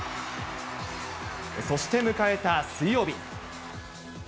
そして迎えた水曜日。